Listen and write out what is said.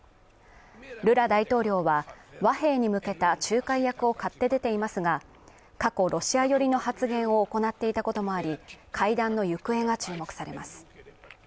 ルラ大統領は和平に向けた仲介役を買って出ていますが過去ロシア寄りの発言を行っていたこともあり会談の行方が注目されます